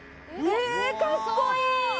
「えー！かっこいい！」